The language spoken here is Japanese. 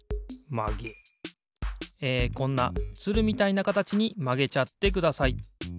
えこんなつるみたいなかたちにまげちゃってください。